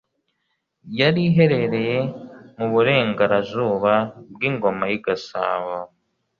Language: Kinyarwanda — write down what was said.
yari iherereye mu burengarazuba bw'Ingoma y'i Gasabo,